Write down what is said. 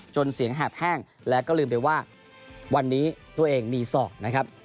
เสียงแหบแห้งแล้วก็ลืมไปว่าวันนี้ตัวเองมีศอกนะครับ